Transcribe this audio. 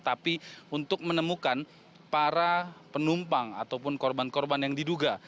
tapi untuk menemukan para penumpang ataupun korban korban yang diduga